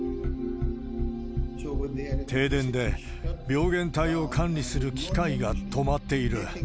停電で病原体を管理する機械が止まっている。